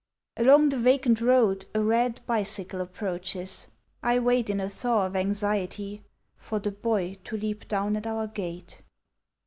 Along the vacant road, a red Bicycle approaches; I wait In a thaw of anxiety, for the boy To leap down at our gate.